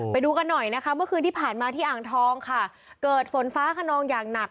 ไปดูกันหน่อยนะคะเมื่อคืนที่ผ่านมาที่อ่างทองค่ะเกิดฝนฟ้าขนองอย่างหนัก